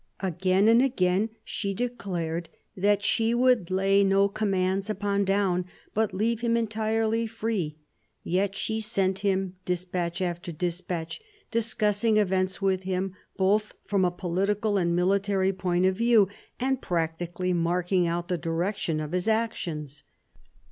Again and again she declared that she would lay no commands upon Daun, but leave him entirely free ; yet she sent him despatch after despatch, dis cussing events with him both from a political and military point of view, and practically marking out the direction of his actions.